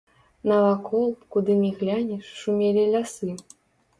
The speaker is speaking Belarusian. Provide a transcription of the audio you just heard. Навакол, куды ні глянеш, шумелі лясы.